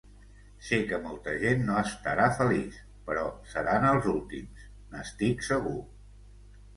Sé que molta gent no estarà feliç, però seran els últims, n'estic segur.